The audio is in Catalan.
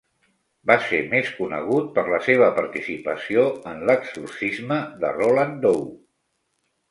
Va ser més conegut per la seva participació en l'exorcisme de Roland Doe.